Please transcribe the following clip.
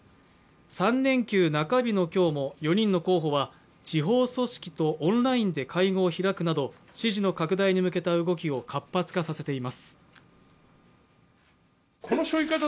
３連休中日の今日も４人の候補は、地方組織とオンラインで会合を開くなど、支持の拡大に向けた動きを活発化させています。